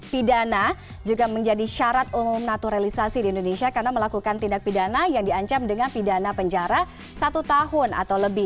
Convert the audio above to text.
pidana juga menjadi syarat umum naturalisasi di indonesia karena melakukan tindak pidana yang diancam dengan pidana penjara satu tahun atau lebih